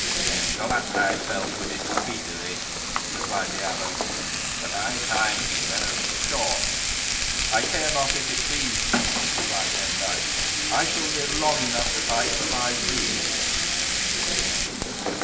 "Then glut thyself with it speedily," replied the abbot; "for thy time here is short." "I care not if it be," replied Demdike; "I shall live long enough if I survive thee."